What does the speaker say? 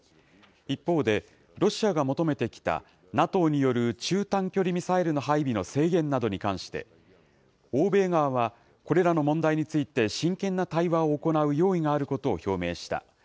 一方で、ロシアが求めてきたＮＡＴＯによる中・短距離ミサイルの配備の制限などに関して、欧米側は、これらの問題について、真剣な対話を行う用意があることを表明した。